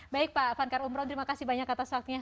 baik pak fankar umron terima kasih banyak atas waktunya